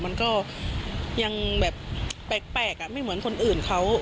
มันก็ยังแบบแปลกไม่เหมือนคนอื่นเขา